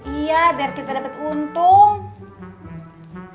iya biar kita dapat untung